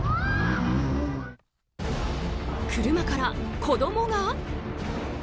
車から子供が。